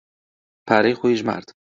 پارەی خۆی ژمارد.